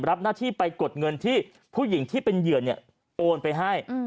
รับหน้าที่ไปกดเงินที่ผู้หญิงที่เป็นเหยื่อโอนไปให้